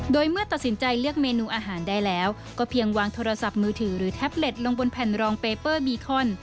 โดยเมื่อตัดสินใจเลือกเมนูอาหารได้แล้วก็เพียงวางโทรศัพท์มือถือหรือแท็บเล็ตลงบนแผ่นรองเปเปอร์บีคอน